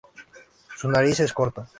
Su nariz es corta.